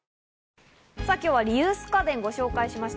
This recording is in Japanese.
今日はリユース家電をご紹介しました。